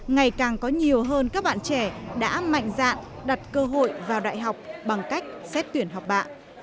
ngày càng có nhiều hơn các bạn trẻ đã mạnh dạn đặt cơ hội vào đại học bằng cách xét tuyển học bạ